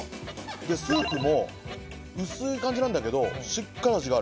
スープも薄い感じなんだけどしっかり味がある。